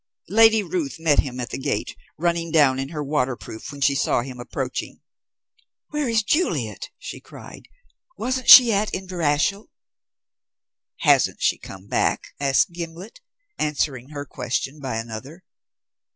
Lady Ruth met him at the gate, running down in her waterproof when she saw him approaching. "Where is Juliet?" she cried. "Wasn't she at Inverashiel?" "Hasn't she come back?" asked Gimblet, answering her question by another.